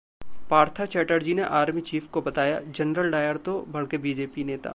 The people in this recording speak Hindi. पार्था चैटर्जी ने आर्मी चीफ को बताया 'जनरल डायर' तो... भड़के बीजेपी नेता